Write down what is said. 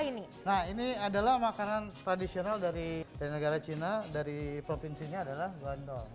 nah ini adalah makanan tradisional dari negara cina dari provinsinya adalah gondol